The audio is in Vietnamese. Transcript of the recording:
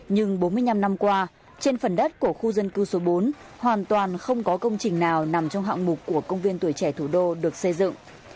nhưng bốn mươi năm năm qua trên phần đất của khu dân cư số bốn hoàn toàn không có công trình nào nằm trong hạng mục của công viên tuổi trẻ thủ đô được xây dựng